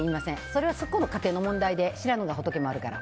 それはそこの家庭の問題で知らぬが仏もあるから。